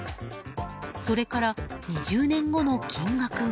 それから２０年後の金額は。